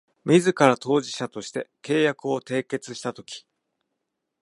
自ら当事者として契約を締結したとき